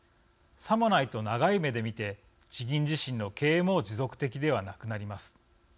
さもないと長い目で見て地銀自身の経営も持続的ではなくなります。